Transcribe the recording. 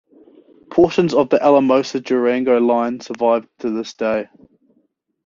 Portions of the Alamosa-Durango Line survive to this day.